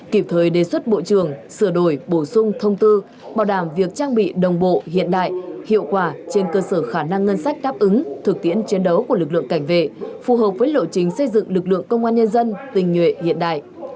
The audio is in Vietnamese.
kịp thời đề xuất bộ trưởng sửa đổi bổ sung thông tư bảo đảm việc trang bị đồng bộ hiện đại hiệu quả trên cơ sở khả năng ngân sách đáp ứng thực tiễn chiến đấu của lực lượng cảnh vệ phù hợp với lộ trình xây dựng lực lượng công an nhân dân tình nhuệ hiện đại